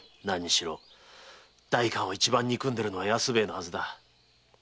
何にしろ代官を一番憎んでいるのは安兵衛のはずだ。